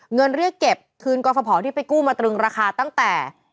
เรียกเก็บคืนกรฟภที่ไปกู้มาตรึงราคาตั้งแต่